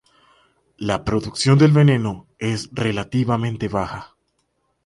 La producción del veneno es relativamente baja.